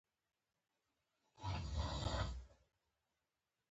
پامیر د افغانستان د پوهنې نصاب کې شامل دي.